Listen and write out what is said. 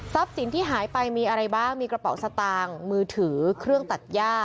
สินที่หายไปมีอะไรบ้างมีกระเป๋าสตางค์มือถือเครื่องตัดย่า